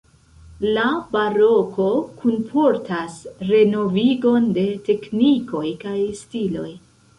La baroko kunportas renovigon de teknikoj kaj stiloj.